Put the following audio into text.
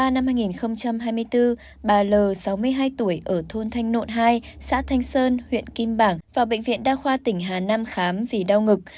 ngày một mươi ba hai nghìn hai mươi bốn bà l sáu mươi hai tuổi ở thôn thanh nộn hai xã thanh sơn huyện kim bảng vào bệnh viện đa khoa tỉnh hà nam khám vì đau ngực